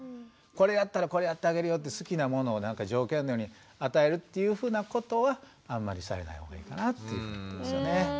これやったらこれやってあげるよって好きなものを条件のように与えるっていうふうなことはあんまりされない方がいいかなっていうことなんですよね。